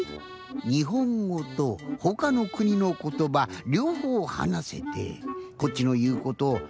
にほんごとほかのくにのことばりょうほうはなせてこっちのいうことあいて